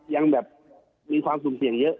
ยังมีความสูงเสี่ยงเยอะ